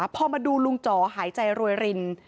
พอมาดูลุงจ๋อหายใจรวยริน